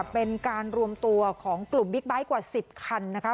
เป็นการรวมตัวของกลุ่มบิ๊กไบท์กว่า๑๐คันนะคะ